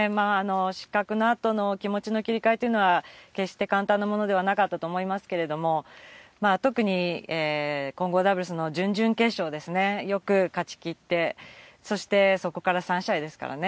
失格のあとの気持ちの切り替えというのは、決して簡単なものではなかったと思いますけれども、特に混合ダブルスの準々決勝ですね、よく勝ちきって、そしてそこから３試合ですからね。